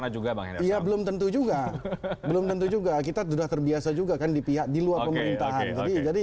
juga belum tentu juga belum tentu juga kita sudah terbiasa juga kan di pihak diluar pemerintahan jadi